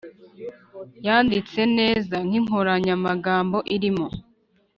Yanditse neza nk inkoranyamagambo irimo